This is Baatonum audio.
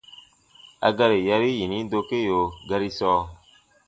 A gari yari yini dokeo gari sɔɔ: